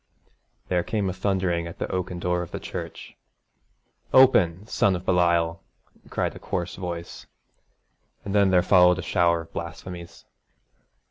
There came a thundering at the oaken door of the church. 'Open, son of Belial!' cried a coarse voice, and then there followed a shower of blasphemies.